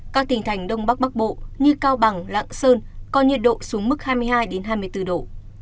các tỉnh thành đông bắc bắc bộ như cao bằng lạng sơn còn nhiệt độ xuống mức hai mươi hai hai mươi bốn độ